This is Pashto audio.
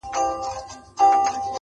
په اند مباح عمل دی